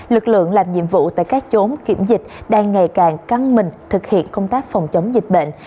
lực lượng làm nhiệm vụ tại các chốt kiểm dịch đang ngày càng căng mình thực hiện công tác phòng chống dịch bệnh